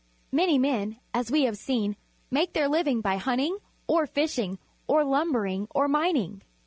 — Manj^ men, as we luiA'e seen, make their li\ang by hunting, or fishing, or lumbering, or mining.